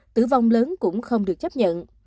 tử vong lớn cũng không được chấp nhận